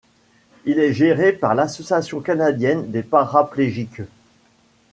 Il est géré par l'Association canadienne des paraplégiques.